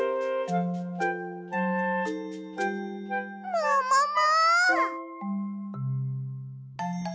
ももも！